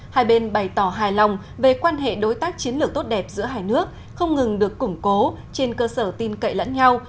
hai bên bày tỏ hài lòng về quan hệ đối tác chiến lược tốt đẹp giữa hai nước không ngừng được củng cố trên cơ sở tin cậy lẫn nhau